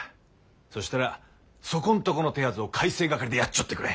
そしたらそこんとこの手筈を改正掛でやっちょってくれ！